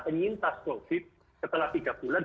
penyintas covid setelah tiga bulan